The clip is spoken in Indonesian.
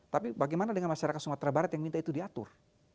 tapi bagaimana dengan masyarakat sumatera barat yang minta itu diatur